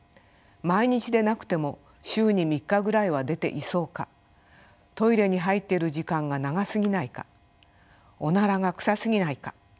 毎日でなくても週に３日ぐらいは出ていそうかトイレに入っている時間が長過ぎないかオナラが臭過ぎないか。